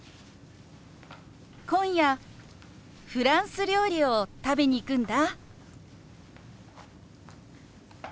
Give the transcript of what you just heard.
今夜フランス料理を食べに行くんだ。